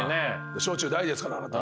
小中大ですからあなた。